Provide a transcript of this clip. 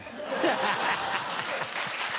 ハハハ！